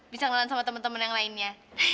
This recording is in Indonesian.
bisa ngelawan sama temen temen yang lainnya